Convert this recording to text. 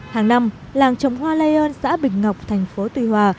hàng năm làng trồng hoa lion xã bình ngọc thành phố tùy hòa